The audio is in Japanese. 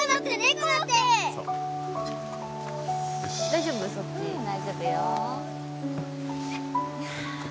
大丈夫よ。